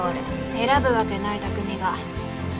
選ぶわけない匠が。